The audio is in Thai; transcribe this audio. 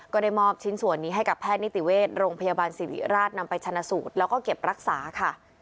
ก็ได้มอบชิ้นส่วนนี้ให้กับแพทย์นิติเวชโรงพยาบาลสิริราชนำไปชนะสูตรแล้วก็เก็บรักษาค่ะ